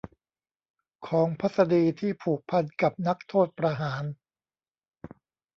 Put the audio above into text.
ของพัศดีที่ผูกพันกับนักโทษประหาร